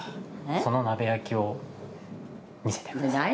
その鍋焼きを見せてください。